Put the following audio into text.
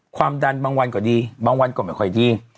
ความดันบางวันก็ดีบางวันก็ไม่ค่อยดี